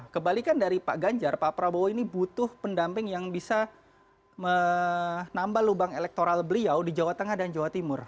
kebalikan dari pak ganjar pak prabowo ini butuh pendamping yang bisa menambah lubang elektoral beliau di jawa tengah dan jawa timur